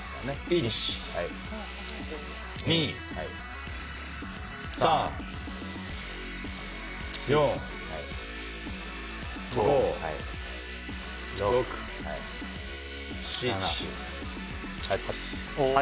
１、２、３、４５、６、７、８。